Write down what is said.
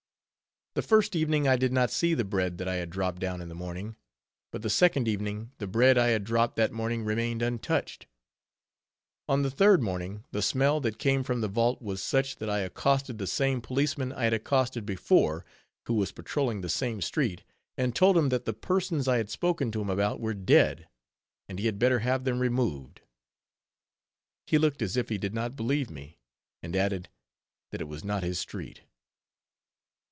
The first evening I did not see the bread that I had dropped down in the morning; but the second evening, the bread I had dropped that morning remained untouched. On the third morning the smell that came from the vault was such, that I accosted the same policeman I had accosted before, who was patrolling the same street, and told him that the persons I had spoken to him about were dead, and he had better have them removed. He looked as if he did not believe me, and added, that it was not his street.